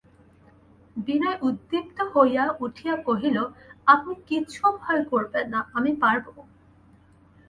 বিনয় উদ্দীপ্ত হইয়া উঠিয়া কহিল, আপনি কিচ্ছু ভয় করবেন না– আমি পারব।